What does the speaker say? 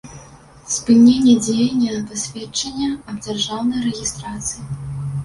Спыненне дзеяння пасведчання аб дзяржаўнай рэгiстрацыi